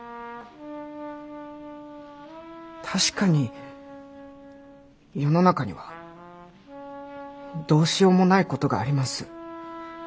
確かに世の中にはどうしようもないことがあります。